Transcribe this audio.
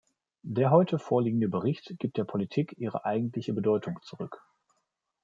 Der heute vorliegende Bericht gibt der Politik ihre eigentliche Bedeutung zurück.